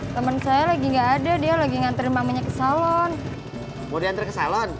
temen saya lagi gak ada dia lagi ngantri mamanya ke salon kemudian ntar ke salon